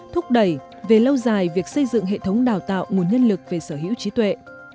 thúc đẩy về lâu dài việc xây dựng hệ thống đào tạo nguồn nhân lực về sở hữu trí tuệ